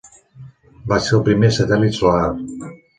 Va ser el primer satèl·lit solar.